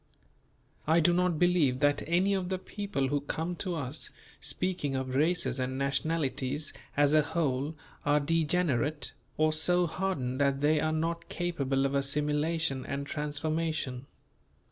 I do not believe that any of the people who come to us, speaking of races and nationalities as a whole, are degenerate, or so hardened that they are not capable of assimilation and transformation.